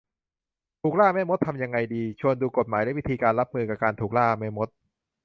ถูกล่าแม่มด ทำยังไงดี ? ชวนดูกฎหมายและวิธีการรับมือกับการถูกล่าแม่มด